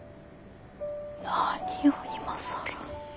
何を今更。